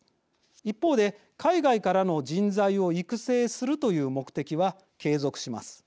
一方で、海外からの人材を育成するという目的は継続します。